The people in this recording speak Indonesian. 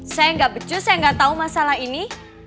saya gak becus saya gak tahu masalah ini